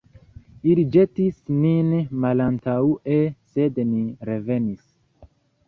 Ili ĵetis nin malantaŭe, sed ni revenis.